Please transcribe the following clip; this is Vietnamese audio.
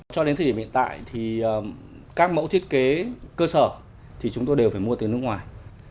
cho đến thời điểm hiện tại thì các mẫu thiết kế cơ sở thì chúng tôi đều phải mua từ nước ngoài